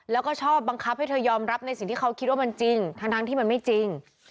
แล้วก็ชอบบังคับให้เธอยอมรับในสิ่งที่เขาคิดว่ามันจริงทั้งที่มันไม่จริง